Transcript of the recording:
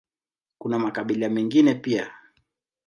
Kuna makabila mengine pia.